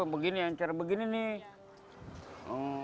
begini yang cara begini nih